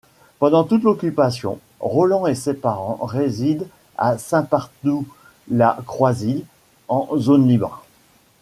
Pendant toute l'occupation, Roland et ses parents résident à Saint-Pardoux-la-Croisilles en zone libre.